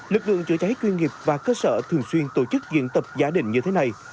lực lượng chữa cháy chuyên nghiệp và cơ sở thường xuyên tổ chức diễn tập giả định như thế này